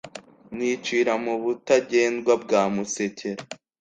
nicira mu Butagendwa bwa Musekera